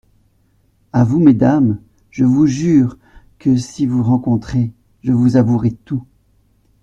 À vous, mesdames ; je vous jure que si vous rencontrez, je vous avouerai tout.